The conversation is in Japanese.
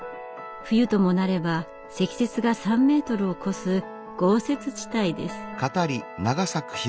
冬ともなれば積雪が３メートルを超す豪雪地帯です。